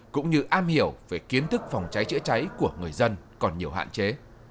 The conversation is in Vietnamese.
cũng như am hiểu về kiến thức phòng cháy chữa cháy của người dân còn nhiều hạn chế